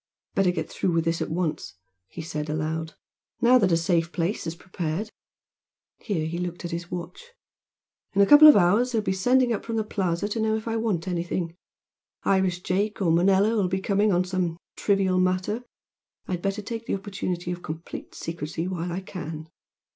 "Better get through with this at once" he said, aloud "Now that a safe place is prepared." Here he looked at his watch. "In a couple of hours they will be sending up from the Plaza to know if I want anything Irish Jake or Manilla will be coming on some trivial matter I'd better take the opportunity of complete secrecy while I can."